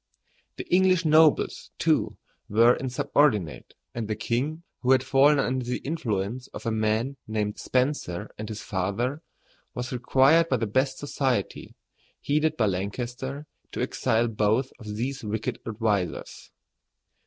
The English nobles, too, were insubordinate, and the king, who had fallen under the influence of a man named Spencer and his father, was required by the best society, headed by Lancaster, to exile both of these wicked advisers.